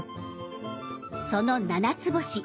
そのななつぼし。